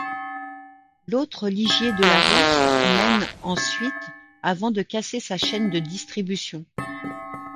L'autre Ligier de Larrousse mène ensuite avant de casser sa chaîne de distribution.